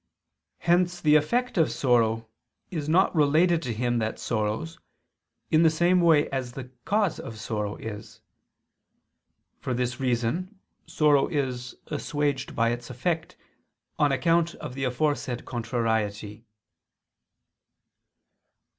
Hence the effect of sorrow is not related to him that sorrows in the same way as the cause of sorrow is. For this reason sorrow is assuaged by its effect, on account of the aforesaid contrariety.